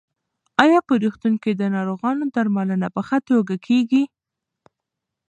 ایا په روغتون کې د ناروغانو درملنه په ښه توګه کېږي؟